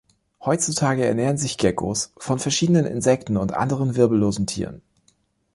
Heutzutage ernähren sich Geckos von verschiedenen Insekten und anderen wirbellosen Tieren.